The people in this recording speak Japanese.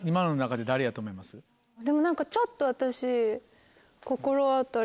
でも何かちょっと私心当たり。